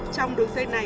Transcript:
trong đường dây này